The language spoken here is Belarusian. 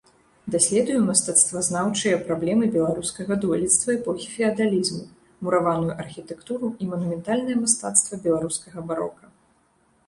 Даследуе мастацтвазнаўчыя праблемы беларускага дойлідства эпохі феадалізму, мураваную архітэктуру і манументальнае мастацтва беларускага барока.